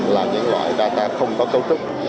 là những loại data không có cấu trúc